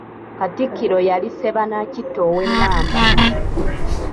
Katikkiro yali Sebanaakitta ow'Emmamba.